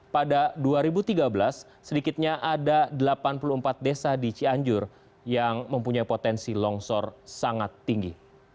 pada dua ribu tiga belas sedikitnya ada delapan puluh empat desa di cianjur yang mempunyai potensi longsor sangat tinggi